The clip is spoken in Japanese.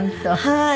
はい。